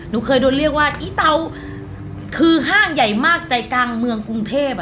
หนูเคยโดนเรียกว่าอีเตาคือห้างใหญ่มากใจกลางเมืองกรุงเทพ